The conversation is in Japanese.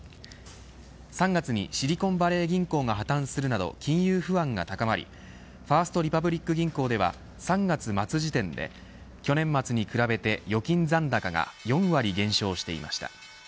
３月にシリコンバレー銀行が破綻するなど金融不安が高まりファースト・リパブリック銀行では３月末時点で去年末に比べて預金残高が４割減少していました。